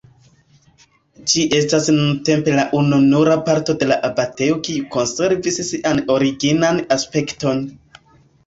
Ĝi estas nuntempe la ununura parto de la abatejo kiu konservis sian originan aspekton.